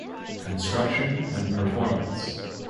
Construction and performance.